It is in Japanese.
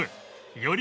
より